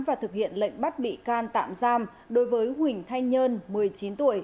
và thực hiện lệnh bắt bị can tạm giam đối với huỳnh thanh nhơn một mươi chín tuổi